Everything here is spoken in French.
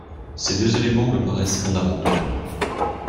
Ces deux éléments me paraissent fondamentaux.